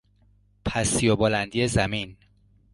پستی و بلندی زمین